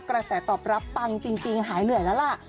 กระแสตอบรับปังจริงหายเหนื่อยแล้วล่ะ